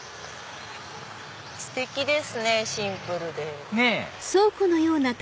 ステキですねシンプルで。